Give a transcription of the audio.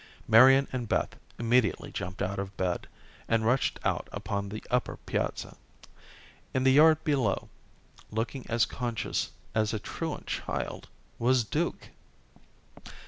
Marian and Beth immediately jumped out of bed, and rushed out upon the upper piazza. In the yard below, looking as conscious as a truant child, was Duke.